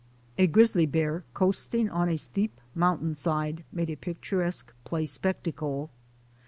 A grizzly bear coasting on a steep mountain side made a picturesque play spectacle.